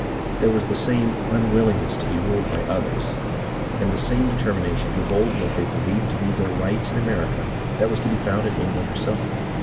There was the same unwillingness to be ruled by others, and the same determination to hold to what they believed to be their rights in America that was to be found in England herself.